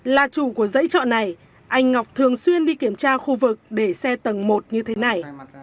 là chủ của giấy trọ này anh ngọc thường xuyên đi kiểm tra khu vực để xe tầng một như thế này